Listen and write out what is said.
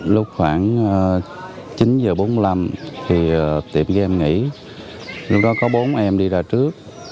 lúc khoảng chín h bốn mươi năm thì tiệm game nghỉ lúc đó có bốn em đi ra trước